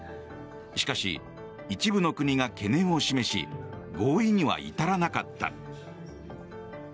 しかし、一部の国が懸念を示し合意には至らなかった。